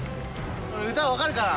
歌分かるかな？